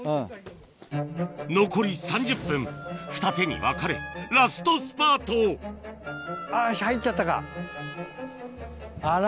残り３０分ふた手に分かれラストスパート入っちゃったか。